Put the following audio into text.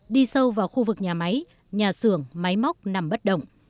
đi sâu vào khu vực nhà máy nhà xưởng máy móc nằm bất động